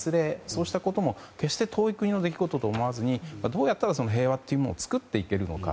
そうしたことも決して遠い国の出来事と思わずにどうやったら平和を作っていけるのか。